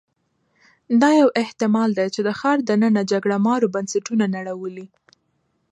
دا یو احتمال دی چې د ښار دننه جګړه مارو بنسټونه نړولي